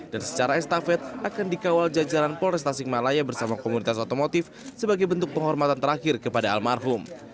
dan secara estafet akan dikawal jajaran polres tasik malaya bersama komunitas otomotif sebagai bentuk penghormatan terakhir kepada almarhum